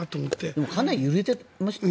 でもあれかなり揺れてましたよね。